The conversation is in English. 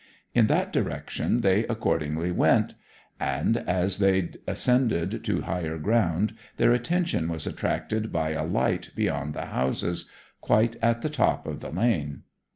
In that direction they accordingly went; and as they ascended to higher ground their attention was attracted by a light beyond the houses, quite at the top of the lane.